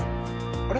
あれ？